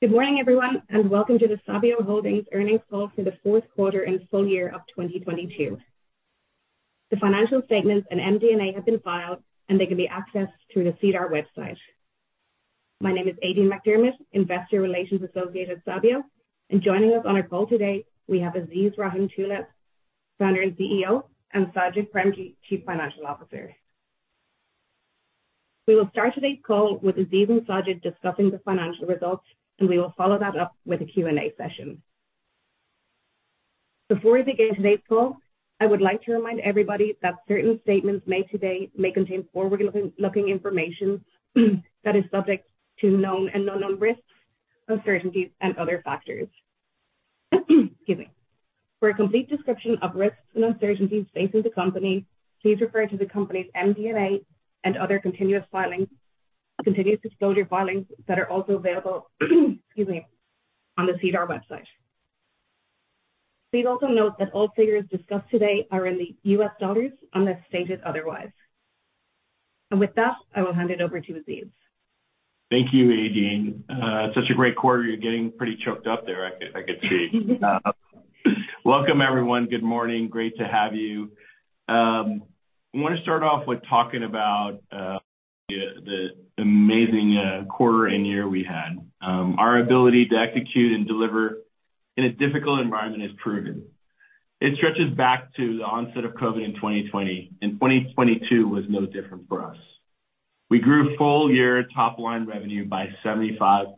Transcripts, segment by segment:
Good morning, everyone. Welcome to the Sabio Holdings earnings call for the fourth quarter and full year of 2022. The financial statements and MD&A have been filed. They can be accessed through the SEDAR website. My name is Aideen McDermott, Investor Relations Associate at Sabio, and joining us on our call today we have Aziz Rahimtoola, Founder and CEO, and Sajid Premji, Chief Financial Officer. We will start today's call with Aziz and Sajid discussing the financial results. We will follow that up with a Q&A session. Before we begin today's call, I would like to remind everybody that certain statements made today may contain forward-looking information that is subject to known and unknown risks, uncertainties, and other factors. Excuse me. For a complete description of risks and uncertainties facing the company, please refer to the company's MD&A and other continuous disclosure filings that are also available excuse me, on the SEDAR website. Please also note that all figures discussed today are in the US dollars unless stated otherwise. With that, I will hand it over to Aziz. Thank you, Aideen. Such a great quarter. You're getting pretty choked up there I could see. Welcome, everyone. Good morning. Great to have you. I wanna start off with talking about the amazing quarter and year we had. Our ability to execute and deliver in a difficult environment is proven. It stretches back to the onset of COVID in 2020, 2022 was no different for us. We grew full-year top-line revenue by 75%,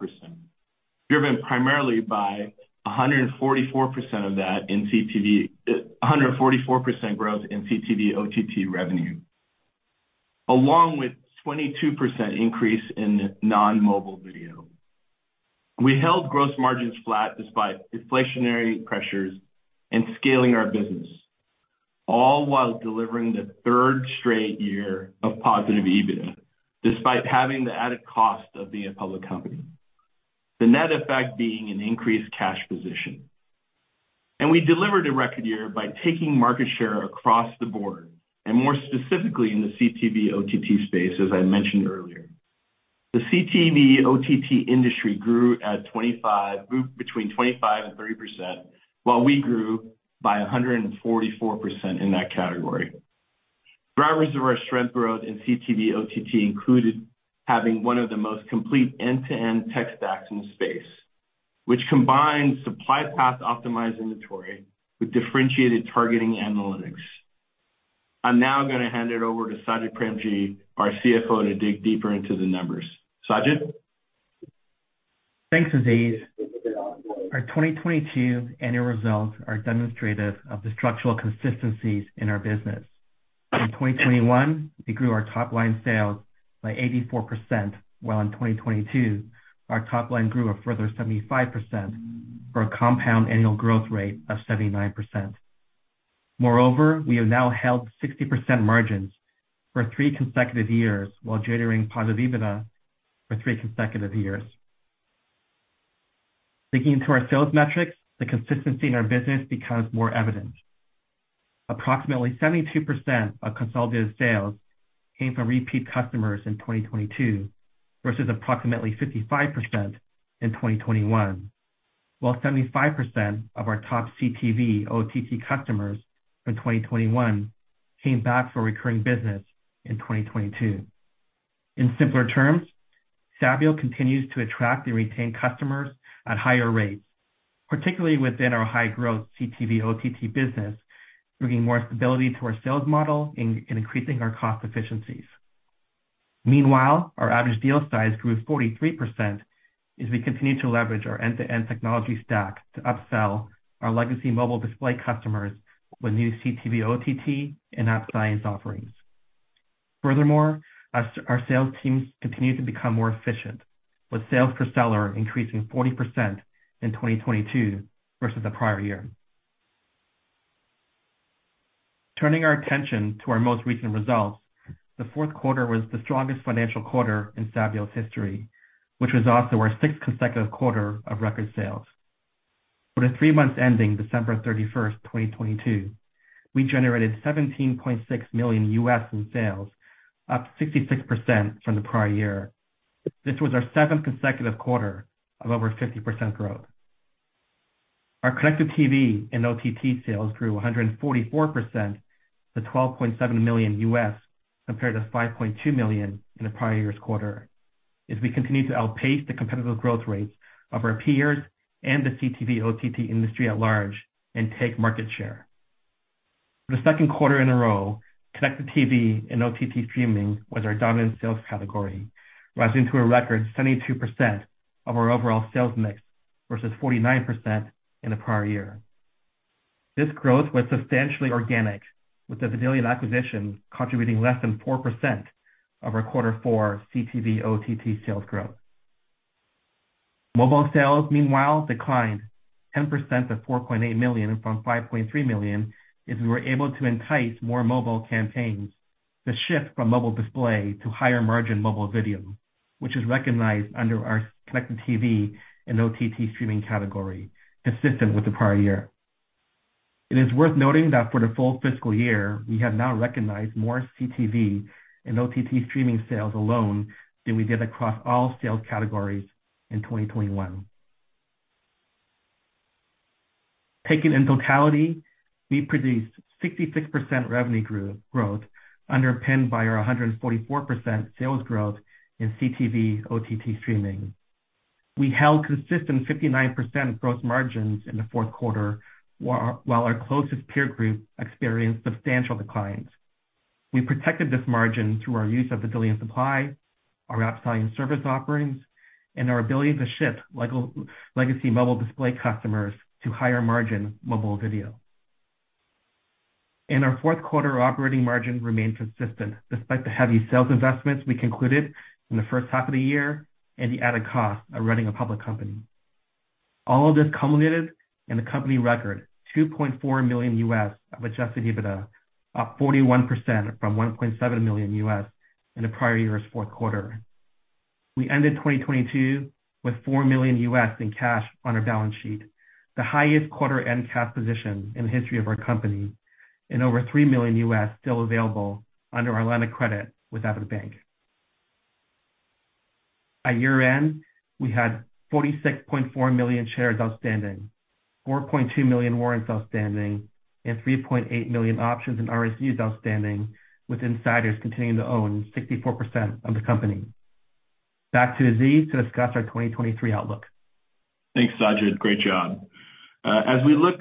driven primarily by 144% growth in CTV/OTT revenue, along with 22% increase in non-mobile video. We held gross margins flat despite inflationary pressures and scaling our business, all while delivering the third straight year of positive EBITDA, despite having the added cost of being a public company. The net effect being an increased cash position. We delivered a record year by taking market share across the board, and more specifically in the CTV/OTT space, as I mentioned earlier. The CTV/OTT industry grew between 25% and 30%, while we grew by 144% in that category. Drivers of our strength growth in CTV/OTT included having one of the most complete end-to-end tech stacks in the space, which combines supply path optimized inventory with differentiated targeting analytics. I'm now gonna hand it over to Sajid Premji, our CFO, to dig deeper into the numbers. Sajid? Thanks, Aziz. Our 2022 annual results are demonstrative of the structural consistencies in our business. In 2021, we grew our top-line sales by 84%, while in 2022, our top line grew a further 75% for a compound annual growth rate of 79%. Moreover, we have now held 60% margins for three consecutive years while generating positive EBITDA for three consecutive years. Digging into our sales metrics, the consistency in our business becomes more evident. Approximately 72% of consolidated sales came from repeat customers in 2022 versus approximately 55% in 2021. While 75% of our top CTV/OTT customers from 2021 came back for recurring business in 2022. In simpler terms, Sabio continues to attract and retain customers at higher rates, particularly within our high-growth CTV/OTT business, bringing more stability to our sales model in increasing our cost efficiencies. Meanwhile, our average deal size grew 43% as we continue to leverage our end-to-end technology stack to upsell our legacy mobile display customers with new CTV/OTT and App Science offerings. Furthermore, our sales teams continue to become more efficient, with sales per seller increasing 40% in 2022 versus the prior year. Turning our attention to our most recent results, the fourth quarter was the strongest financial quarter in Sabio's history, which was also our sixth consecutive quarter of record sales. For the three months ending December 31st, 2022, we generated $17.6 million in sales, up 66% from the prior year. This was our seventh consecutive quarter of over 50% growth. Our Connected TV and OTT sales grew 144% to $12.7 million, compared to $5.2 million in the prior year's quarter, as we continue to outpace the competitive growth rates of our peers and the CTV/OTT industry at large and take market share. For the second quarter in a row, Connected TV and OTT streaming was our dominant sales category, rising to a record 72% of our overall sales mix versus 49% in the prior year. This growth was substantially organic, with the Vidillion acquisition contributing less than 4% of our quarter four CTV/OTT sales growth. Mobile sales, meanwhile, declined 10% to $4.8 million from $5.3 million, as we were able to entice more mobile campaigns to shift from mobile display to higher-margin mobile video, which is recognized under our CTV and OTT streaming category, consistent with the prior year. It is worth noting that for the full fiscal year, we have now recognized more CTV and OTT streaming sales alone than we did across all sales categories in 2021. Taken in totality, we produced 66% revenue growth, underpinned by our 144% sales growth in CTV/OTT streaming. We held consistent 59% gross margins in the fourth quarter, while our closest peer group experienced substantial declines. We protected this margin through our use of resilient supply, our App Science service offerings, and our ability to shift legacy mobile display customers to higher margin mobile video. In our fourth quarter, operating margin remained consistent despite the heavy sales investments we concluded in the first half of the year and the added cost of running a public company. All of this culminated in the company record $2.4 million of Adjusted EBITDA, up 41% from $1.7 million in the prior year's fourth quarter. We ended 2022 with $4 million in cash on our balance sheet, the highest quarter end cash position in the history of our company and over $3 million still available under our line of credit with Avidbank. At year-end, we had 46.4 million shares outstanding, 4.2 million warrants outstanding, and 3.8 million options and RSUs outstanding, with insiders continuing to own 64% of the company. Back to Aziz to discuss our 2023 outlook. Thanks, Sajid. Great job. As we look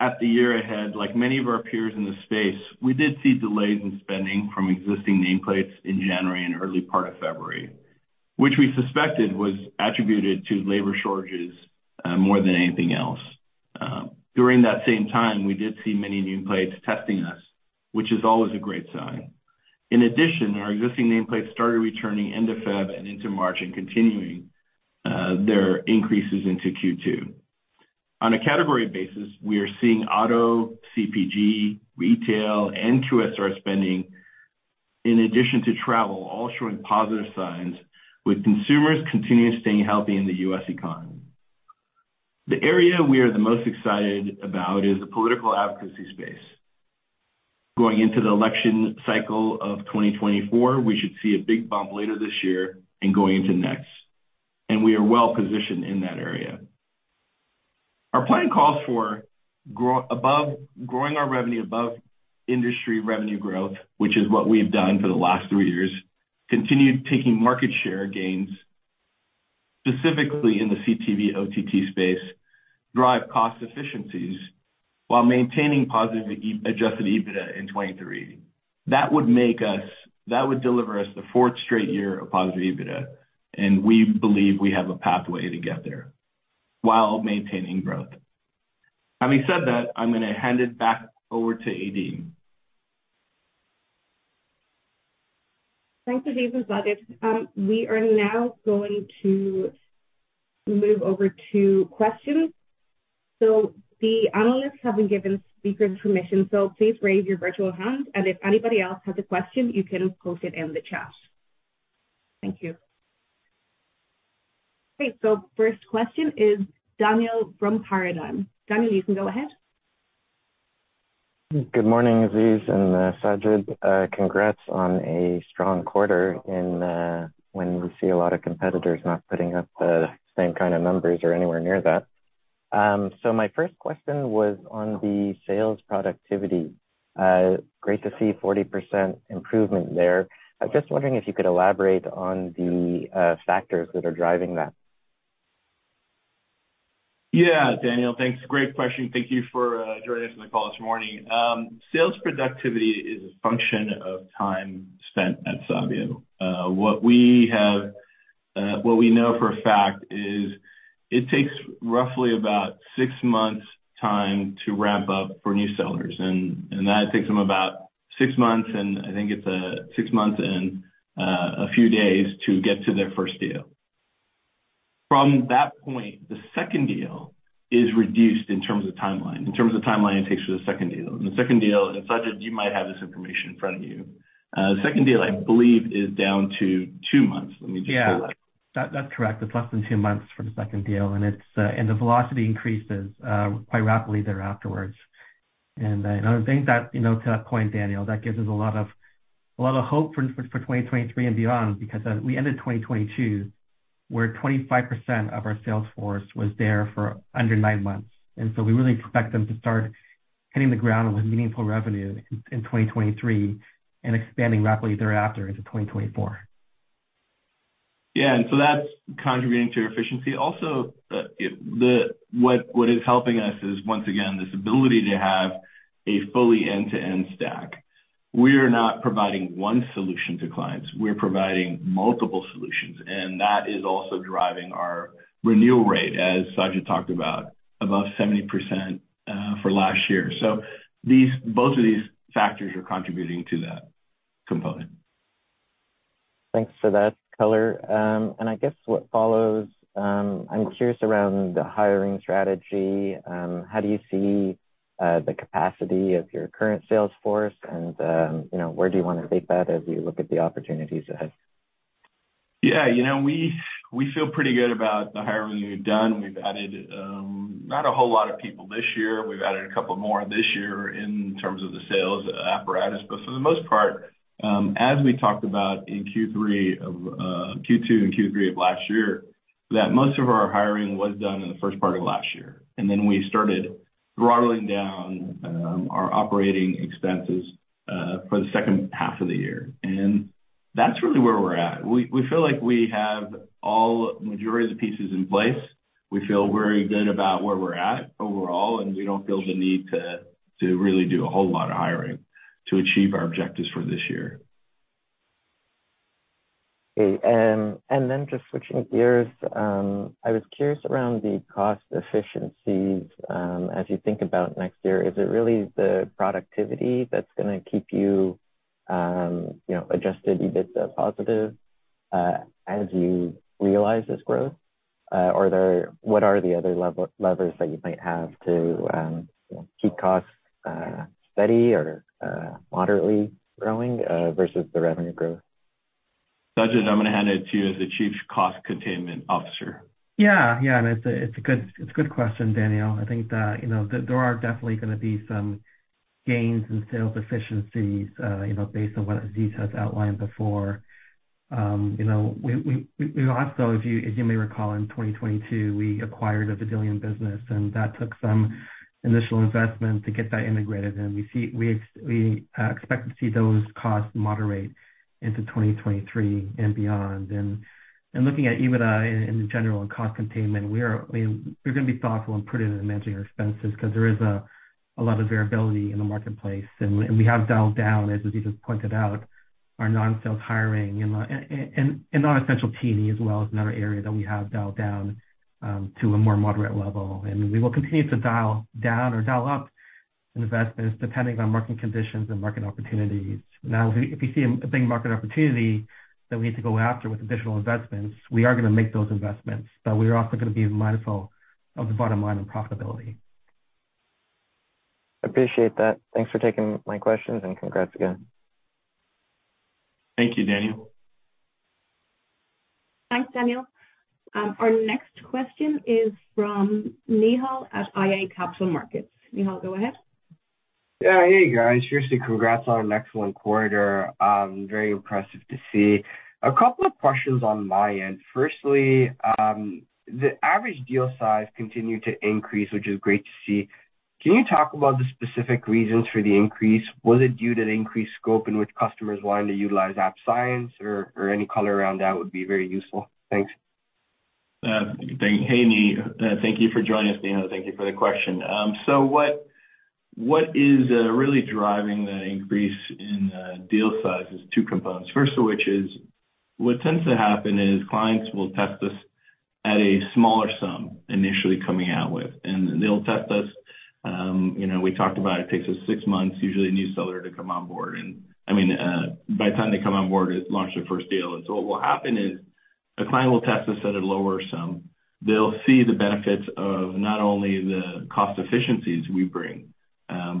at the year ahead, like many of our peers in the space, we did see delays in spending from existing nameplates in January and early part of February, which we suspected was attributed to labor shortages, more than anything else. During that same time, we did see many new plates testing us, which is always a great sign. In addition, our existing nameplates started returning end of Feb and into March and continuing their increases into Q2. On a category basis, we are seeing auto, CPG, retail, and QSR spending in addition to travel, all showing positive signs with consumers continuing staying healthy in the U.S. economy. The area we are the most excited about is the political advocacy space. Going into the election cycle of 2024, we should see a big bump later this year and going into next, and we are well positioned in that area. Our plan calls for growing our revenue above industry revenue growth, which is what we've done for the last three years, continued taking market share gains, specifically in the CTV/OTT space, drive cost efficiencies while maintaining positive Adjusted EBITDA in 2023. That would deliver us the fourth straight year of positive EBITDA, and we believe we have a pathway to get there while maintaining growth. Having said that, I'm gonna hand it back over to Aideen. Thanks, Aziz and Sajid. We are now going to move over to questions. The analysts have been given speaker permission, so please raise your virtual hand, and if anybody else has a question, you can post it in the chat. Thank you. First question is Daniel from Paradigm. Daniel, you can go ahead. Good morning, Aziz and Sajid. Congrats on a strong quarter and when we see a lot of competitors not putting up the same kind of numbers or anywhere near that. My first question was on the sales productivity. Great to see 40% improvement there. I was just wondering if you could elaborate on the factors that are driving that? Daniel, thanks. Great question. Thank you for joining us on the call this morning. Sales productivity is a function of time spent at Sabio. What we have, what we know for a fact is it takes roughly about six months time to ramp up for new sellers. That takes them about six months, and I think it's six months and a few days to get to their first deal. From that point, the second deal is reduced in terms of timeline. In terms of timeline it takes for the second deal. The second deal, and Sajid, you might have this information in front of you. The second deal, I believe, is down to two months. Let me just double check. Yeah. That's correct. It's less than two months for the second deal, and the velocity increases quite rapidly there afterwards. I think that, you know, to that point, Daniel, that gives us a lot of hope for 2023 and beyond because we ended 2022 where 25% of our sales force was there for under nine months. We really expect them to start hitting the ground with meaningful revenue in 2023 and expanding rapidly thereafter into 2024. Yeah. That's contributing to your efficiency. Also, what is helping us is, once again, this ability to have a fully end-to-end stack. We are not providing one solution to clients. We're providing multiple solutions, and that is also driving our renewal rate, as Sajid talked about, above 70%, for last year. Both of these factors are contributing to that component. Thanks for that color. I guess what follows, I'm curious around the hiring strategy. How do you see the capacity of your current sales force? You know, where do you wanna take that as you look at the opportunities ahead? Yeah, you know, we feel pretty good about the hiring we've done. We've added not a whole lot of people this year. We've added a couple more this year in terms of the sales apparatus. For the most part, as we talked about in Q3 of Q2 and Q3 of last year, that most of our hiring was done in the first part of last year. Then we started throttling down our operating expenses for the second half of the year. That's really where we're at. We feel like we have all majority of the pieces in place. We feel very good about where we're at overall, and we don't feel the need to really do a whole lot of hiring to achieve our objectives for this year. Okay. Just switching gears, I was curious around the cost efficiencies as you think about next year. Is it really the productivity that's gonna keep you know, Adjusted EBITDA positive as you realize this growth? What are the other levers that you might have to keep costs steady or moderately growing versus the revenue growth? Sajid, I'm gonna hand it to you as the Chief Cost Containment Officer. Yeah. It's a good question, Daniel. I think that, you know, there are definitely gonna be some gains in sales efficiencies, you know, based on what Aziz outlined before. You know, we also, if you may recall, in 2022, we acquired a Vidillion business, and that took some initial investment to get that integrated. We expect to see those costs moderate into 2023 and beyond. Looking at EBITDA in general and cost containment, we are, I mean, we're gonna be thoughtful and prudent in managing our expenses 'cause there is a lot of variability in the marketplace. We have dialed down, as Aziz has pointed out, our non-sales hiring and non-essential T&E as well is another area that we have dialed down to a more moderate level. We will continue to dial down or dial up investments depending on market conditions and market opportunities. If we see a big market opportunity that we need to go after with additional investments, we are gonna make those investments, but we are also gonna be mindful of the bottom line and profitability. Appreciate that. Thanks for taking my questions and congrats again. Thank you, Daniel. Thanks, Daniel. Our next question is from Neehal at iA Capital Markets. Neehal, go ahead. Hey, guys. Seriously, congrats on an excellent quarter. Very impressive to see. A couple of questions on my end. Firstly, the average deal size continued to increase, which is great to see. Can you talk about the specific reasons for the increase? Was it due to the increased scope in which customers wanting to utilize App Science? Or any color around that would be very useful. Thanks. Hey, Neehal. Thank you for joining us, Neehal. Thank you for the question. What is really driving the increase in deal size is two components. First of which is what tends to happen is clients will test us at a smaller sum initially coming out with. They'll test us, you know, we talked about it takes us six months, usually a new seller to come on board. I mean, by the time they come on board, it's launched their first deal. What will happen is a client will test us at a lower sum. They'll see the benefits of not only the cost efficiencies we bring,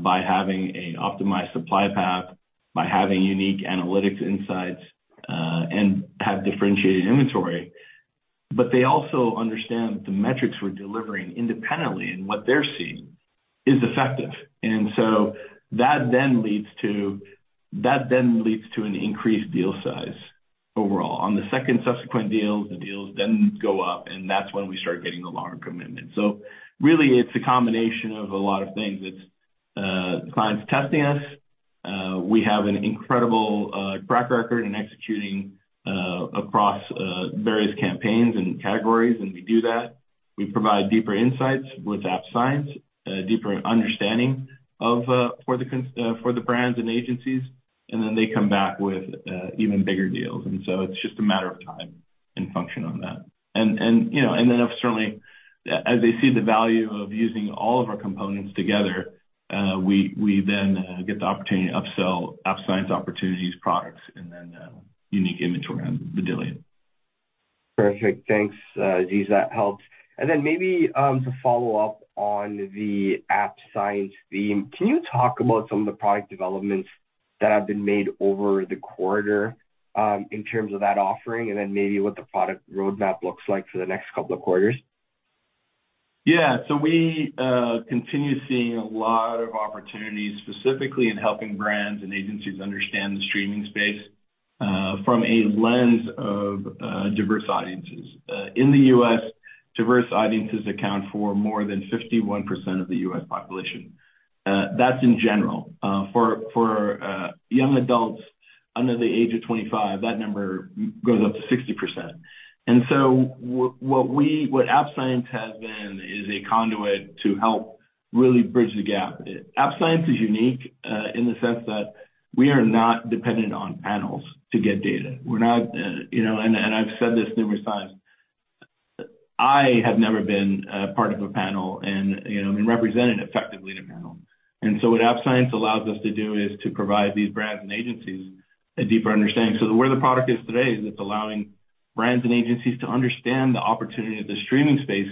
by having an optimized supply path, by having unique analytics insights, and have differentiated inventory, but they also understand the metrics we're delivering independently and what they're seeing is effective. That then leads to an increased deal size overall. On the second subsequent deals, the deals then go up, that's when we start getting the larger commitment. Really it's a combination of a lot of things. It's clients testing us. We have an incredible track record in executing across various campaigns and categories, we do that. We provide deeper insights with App Science, deeper understanding of for the brands and agencies, they come back with even bigger deals. It's just a matter of time and function on that. You know, certainly as they see the value of using all of our components together, we then, get the opportunity to upsell App Science opportunities products and then, unique inventory on Vidillion. Perfect. Thanks, Aziz. That helps. Maybe, to follow up on the App Science theme, can you talk about some of the product developments that have been made over the quarter, in terms of that offering and then maybe what the product roadmap looks like for the next couple of quarters? Yeah. We continue seeing a lot of opportunities specifically in helping brands and agencies understand the streaming space, from a lens of diverse audiences. In the U.S., diverse audiences account for more than 51% of the U.S. population. That's in general. For young adults under the age of 25, that number goes up to 60%. What App Science has been is a conduit to help really bridge the gap. App Science is unique in the sense that we are not dependent on panels to get data. We're not, you know, and I've said this numerous times, I have never been part of a panel and, you know, been represented effectively in a panel. What App Science allows us to do is to provide these brands and agencies a deeper understanding. Where the product is today is it's allowing brands and agencies to understand the opportunity that the streaming space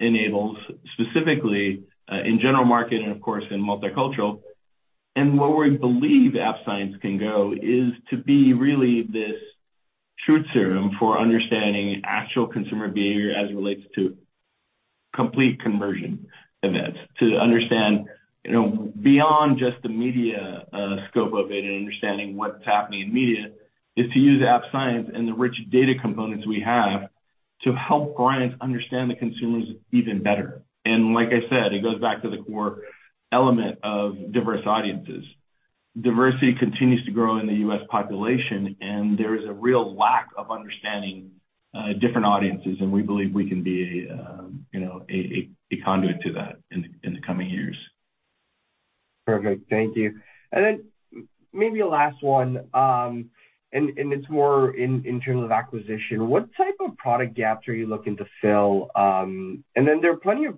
enables, specifically, in general market and of course in multicultural. Where we believe App Science can go is to be really this truth serum for understanding actual consumer behavior as it relates to complete conversion events. To understand, you know, beyond just the media scope of it and understanding what's happening in media, is to use App Science and the rich data components we have to help clients understand the consumers even better. Like I said, it goes back to the core element of diverse audiences. Diversity continues to grow in the U.S. population, and there is a real lack of understanding different audiences, and we believe we can be, you know, a, a conduit to that in the coming years. Perfect. Thank you. Then maybe a last one. It's more in terms of acquisition. What type of product gaps are you looking to fill? Then there are plenty of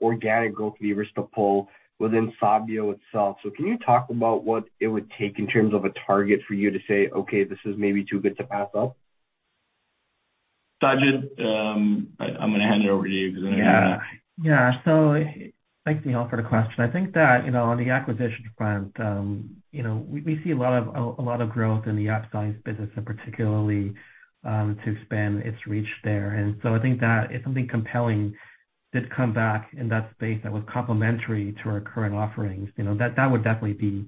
organic growth levers to pull within Sabio itself. Can you talk about what it would take in terms of a target for you to say, "Okay, this is maybe too good to pass up"? Sajid, I'm gonna hand it over to you because I know. Yeah. Yeah. Thanks, Neehal, for the question. I think that, you know, on the acquisition front, you know, we see a lot of growth in the App Science business and particularly to expand its reach there. I think that if something compelling did come back in that space that was complementary to our current offerings, you know, that would definitely be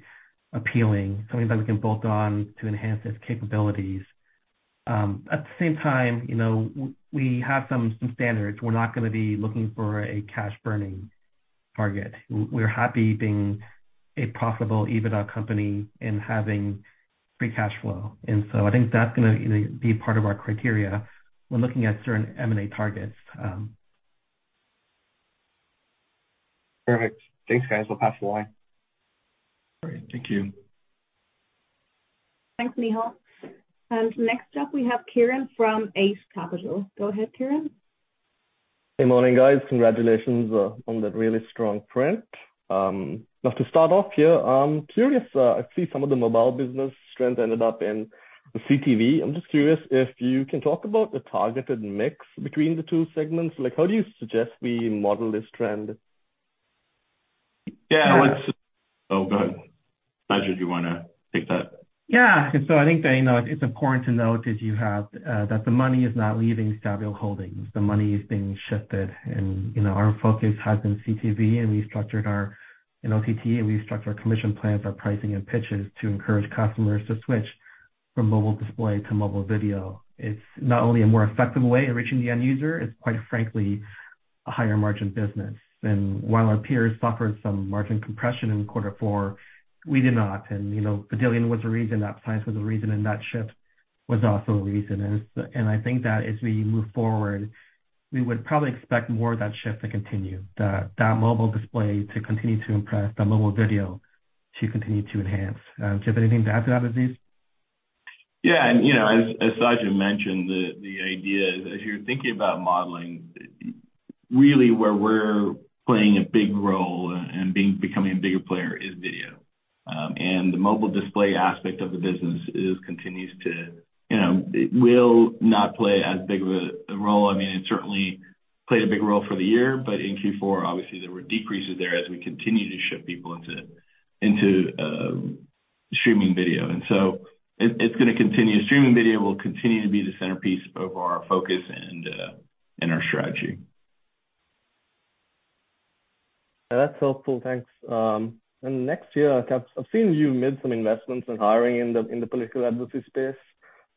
appealing, something that we can bolt on to enhance its capabilities. At the same time, you know, we have some standards. We're not gonna be looking for a cash burning target. We're happy being a profitable EBITDA company and having free cash flow. I think that's gonna, you know, be part of our criteria when looking at certain M&A targets. Perfect. Thanks, guys. I'll pass the line. All right. Thank you. Thanks, Neehal. Next up we have Kiran from Eight Capital. Go ahead, Kiran. Good morning, guys. Congratulations, on the really strong print. To start off here, I'm curious, I see some of the mobile business strength ended up in CTV. I'm just curious if you can talk about the targeted mix between the two segments. Like how do you suggest we model this trend? Yeah. Oh, go ahead. Sajid, do you wanna take that? Yeah. I think that, you know, it's important to note that you have that the money is not leaving Sabio Holdings. The money is being shifted. You know, our focus has been CTV and OTT, and we've structured our commission plans, our pricing and pitches to encourage customers to switch from mobile display to mobile video. It's not only a more effective way of reaching the end user, it's quite frankly a higher margin business. While our peers suffered some margin compression in quarter four, we did not. You know, Vidillion was a reason, App Science was a reason, and that shift was also a reason. I think that as we move forward, we would probably expect more of that shift to continue, that mobile display to continue to impress, the mobile video to continue to enhance. Do you have anything to add to that, Aziz? Yeah. You know, as Sajid mentioned, the idea is as you're thinking about modeling, really where we're playing a big role and becoming a bigger player is video. The mobile display aspect of the business is, continues to... You know, it will not play as big of a role. I mean, it certainly played a big role for the year, but in Q4, obviously, there were decreases there as we continue to shift people into streaming video. It's gonna continue. Streaming video will continue to be the centerpiece of our focus and our strategy. That's helpful. Thanks. Next year, I've seen you made some investments in hiring in the political advocacy space.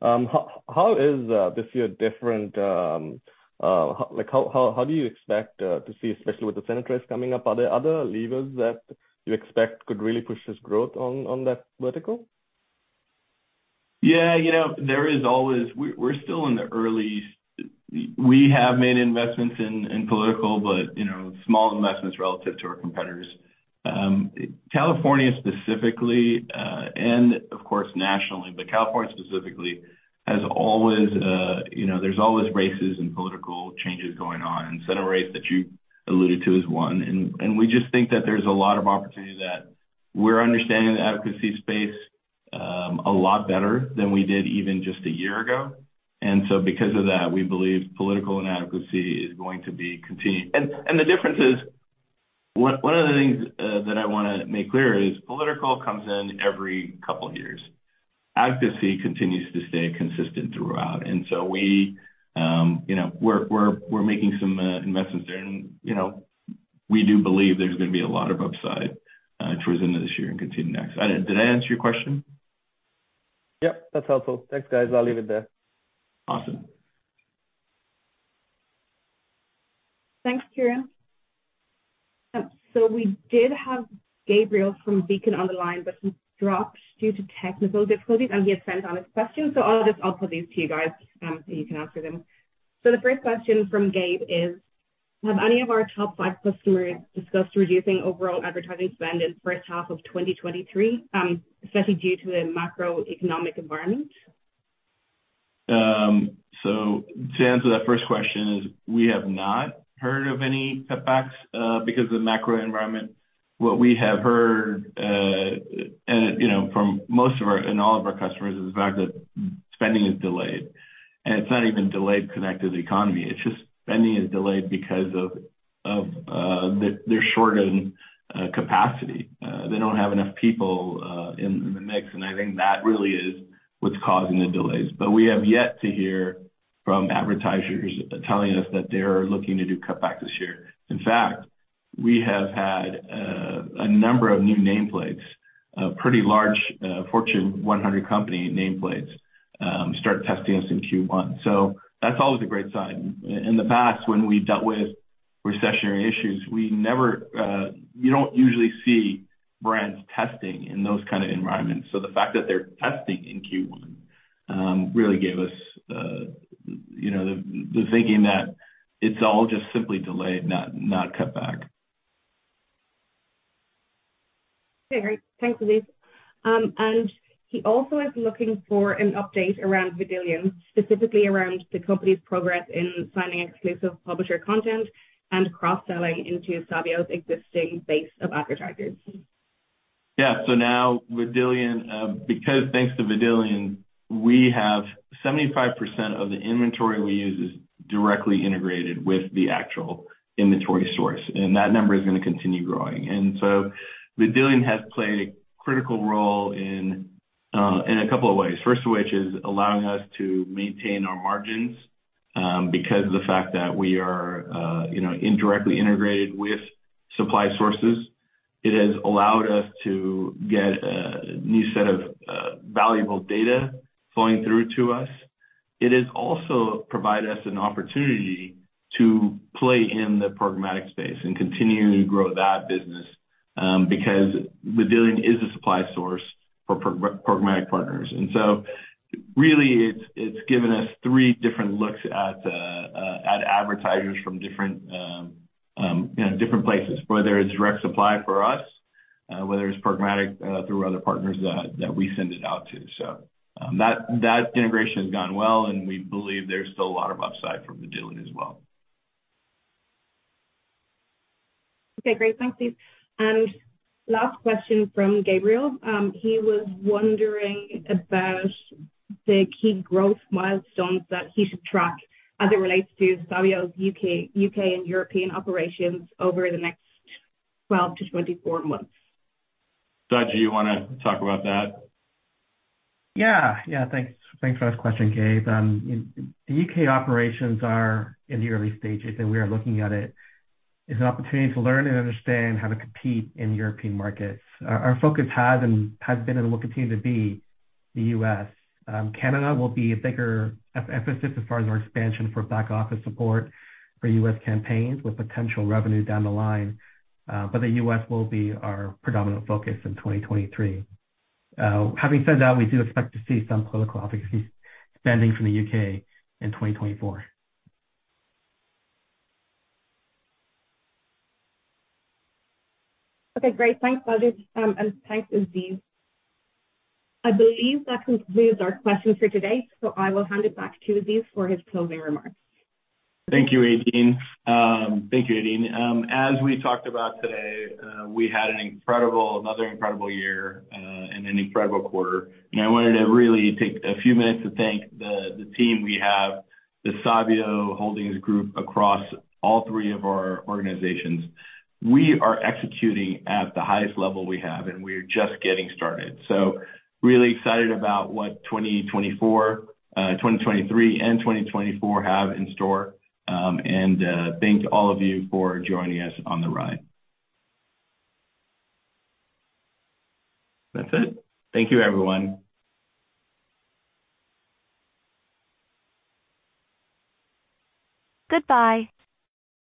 How is this year different? Like, how do you expect to see, especially with the Senate race coming up, are there other levers that you expect could really push this growth on that vertical? Yeah. You know, there is always. We're still in the early. We have made investments in political, but you know, small investments relative to our competitors. California specifically, and of course nationally, but California specifically has always, you know, there's always races and political changes going on, and Senate race that you alluded to is one. We just think that there's a lot of opportunity that we're understanding the advocacy space a lot better than we did even just a year ago. Because of that, we believe political and advocacy is going to be continued. The difference is, one of the things that I wanna make clear is political comes in every couple years. Advocacy continues to stay consistent throughout. We, you know, we're making some investments there and, you know, we do believe there's gonna be a lot of upside towards the end of this year and continue next. Did I answer your question? Yep. That's helpful. Thanks, guys. I'll leave it there. Awesome. Thanks, Kiran. We did have Gabriel from Beacon on the line, but he dropped due to technical difficulties, and he has sent on his question. I'll just, I'll put these to you guys, and you can answer them. The first question from Gabe is: Have any of our top five customers discussed reducing overall advertising spend in first half of 2023, especially due to the macroeconomic environment? To answer that first question is, we have not heard of any cutbacks because of the macro environment. What we have heard, and, you know, from most of our and all of our customers is the fact that spending is delayed, and it's not even delayed connected economy, it's just spending is delayed because of they're short on capacity. They don't have enough people in the mix, and I think that really is what's causing the delays. We have yet to hear from advertisers telling us that they're looking to do cutbacks this year. In fact, we have had a number of new nameplates, pretty large Fortune 100 company nameplates, start testing us in Q1. That's always a great sign. In the past, when we've dealt with recessionary issues, we never. You don't usually see brands testing in those kind of environments. The fact that they're testing in Q1, really gave us, you know, the thinking that it's all just simply delayed, not cut back. Okay, great. Thanks, Aziz. He also is looking for an update around Vidillion, specifically around the company's progress in signing exclusive publisher content and cross-selling into Sabio's existing base of advertisers. Yeah. Now Vidillion, because thanks to Vidillion, we have 75% of the inventory we use is directly integrated with the actual inventory source, and that number is gonna continue growing. Vidillion has played a critical role in a couple of ways. First of which is allowing us to maintain our margins, because of the fact that we are, you know, indirectly integrated with supply sources. It has allowed us to get a new set of valuable data flowing through to us. It has also provided us an opportunity to play in the programmatic space and continue to grow that business, because Vidillion is a supply source for pro-programmatic partners. Really it's given us three different looks at advertisers from different, you know, different places. Whether it's direct supply for us, whether it's programmatic, through other partners that we send it out to. That integration has gone well, and we believe there's still a lot of upside from Vidillion as well. Okay, great. Thanks, Aziz. Last question from Gabriel. He was wondering about the key growth milestones that he should track as it relates to Sabio's U.K. and European operations over the next 12-24 months. Sajid, do you wanna talk about that? Yeah, thanks. Thanks for that question, Gabe. The U.K. operations are in the early stages, we are looking at it as an opportunity to learn and understand how to compete in European markets. Our focus has and has been and will continue to be the U.S. Canada will be a bigger emphasis as far as our expansion for back office support for U.S. campaigns with potential revenue down the line. The U.S. will be our predominant focus in 2023. Having said that, we do expect to see some political advocacy spending from the U.K. in 2024. Okay, great. Thanks, Sajid, thanks, Aziz. I believe that concludes our questions for today. I will hand it back to Aziz for his closing remarks. Thank you, Aideen. Thank you, Aideen. As we talked about today, we had another incredible year, and an incredible quarter. You know, I wanted to really take a few minutes to thank the team we have, the Sabio Holdings group across all three of our organizations. We are executing at the highest level we have, and we are just getting started. Really excited about what 2023 and 2024 have in store. Thanks all of you for joining us on the ride. That's it. Thank you, everyone. Goodbye.